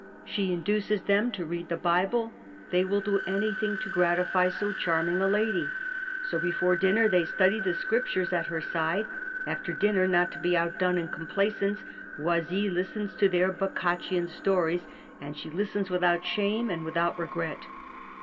She in duces them to read the Bible ; they will do any thing to gratify so charming a lady. So before dinner they study the Scriptures at her side. After dinner, not to be outdone in complaisance, Oisille listens to their Boccaccian stories ; and she listens without shame and without regret.